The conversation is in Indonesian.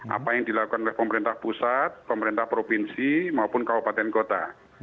apa yang dilakukan oleh pemerintah pusat pemerintah provinsi maupun kabupaten kota